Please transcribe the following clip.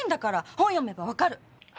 本読めばわかる！